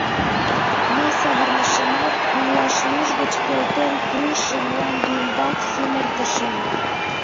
Мый савырнышымат, оҥылашлуж гыч пелтен пуышым, мланде ӱмбак сӱмырышым.